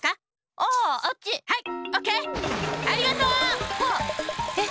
ありがとう！わっ！